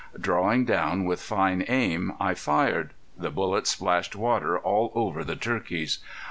Drawing down with fine aim I fired. The bullet splashed water all over the turkeys.